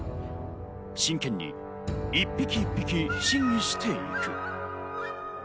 真剣に一匹一匹審議していく。